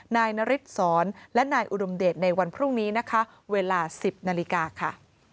นายนฤทธศรและนายอุดมเดชในวันพรุ่งนี้นะคะเวลา๑๐นาฬิกาค่ะ